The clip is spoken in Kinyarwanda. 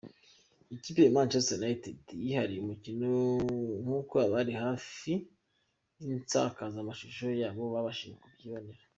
Ikipe ya Manchester United yihariye umukino nkuko abari hafi y'insakazamashusho zabo babashije kubyibonera.